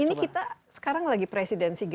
nah ini kita sekarang lagi presidensi g dua puluh